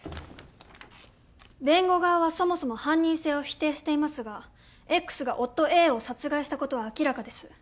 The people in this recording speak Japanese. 弁護側はそもそも犯人性を否定していますがＸが夫Ａを殺害したことは明らかです。